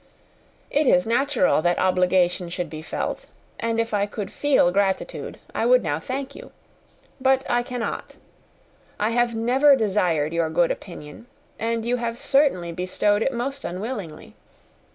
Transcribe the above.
It is natural that obligation should be felt, and if I could feel gratitude, I would now thank you. But I cannot I have never desired your good opinion, and you have certainly bestowed it most unwillingly.